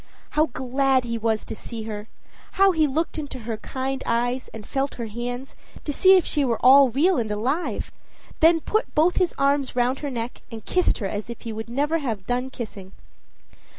How glad he was to see her! How he looked into her kind eyes and felt her hands, to see if she were all real and alive! then put both his arms round her neck, and kissed her as if he would never have done kissing.